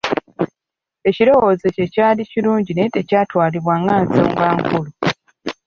Ekirowoozo kye kyali kirungi naye tekyatwalibwa nga nsonga nkulu.